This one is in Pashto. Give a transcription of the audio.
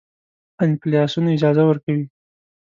انفلاسیون اجازه ورکوي.